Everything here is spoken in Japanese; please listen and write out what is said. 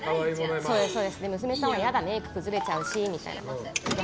娘さんは、嫌だメイク崩れちゃうしみたいなこと言ってて。